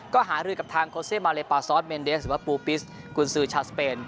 ก็หารือกับทางโคเซมาเลปาซอสเมนเดสหรือว่าปูปิสกุญซือชาวสเปน